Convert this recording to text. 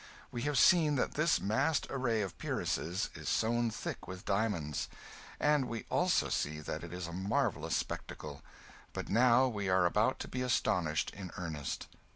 We have seen that this massed array of peeresses is sown thick with diamonds, and we also see that it is a marvellous spectacle but now we are about to be astonished in earnest.